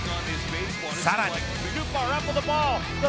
さらに。